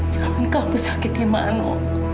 jangan kamu sakit imamu